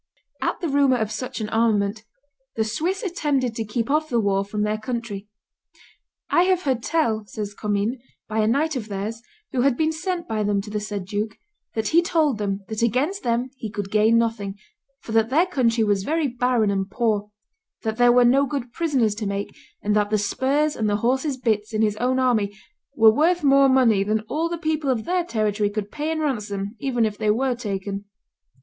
At the rumor of such an armament the Swiss attempted to keep off the war from their country. "I have heard tell," says Commynes, "by a knight of theirs, who had been sent by them to the said duke, that he told him that against them he could gain nothing, for that their country was very barren and poor; that there were no good prisoners to make, and that the spurs and the horses' bits in his own army were worth more money than all the people of their territory could pay in ransom even if they were taken."